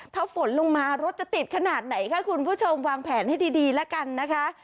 ถ้าฝนลงมารถจะติดขนาดไหนคะคุณผู้ชมวางแผนให้ดีแล้วกันนะคะ